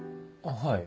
はい。